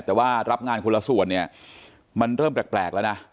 แต่ว่ารับงานคนละส่วนเนี่ยมันเริ่มแปลกแล้วนะ